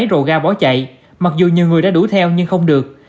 họ bỏ chạy mặc dù nhiều người đã đuổi theo nhưng không được